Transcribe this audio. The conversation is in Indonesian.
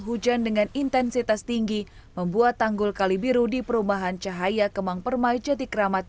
hujan dengan intensitas tinggi membuat tanggul kali biru di perubahan cahaya kemangpermai jatikramat